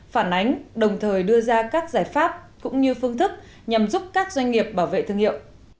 phản ánh đồng thời đưa ra các giải pháp cũng như phương thức nhằm giúp các doanh nghiệp bảo vệ thương hiệu